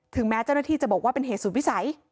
แม้เจ้าหน้าที่จะบอกว่าเป็นเหตุสูตรวิสัย